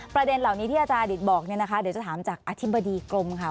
ประเด็นเหล่านี้ที่อาจารย์ดิตบอกเนี่ยนะคะเดี๋ยวจะถามจากอธิบดีกรมค่ะ